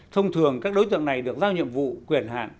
thông thường các đối tượng này được giao nhiệm vụ quyền hạn